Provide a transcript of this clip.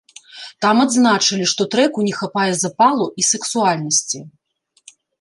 Там адзначылі, што трэку не хапае запалу і сэксуальнасці.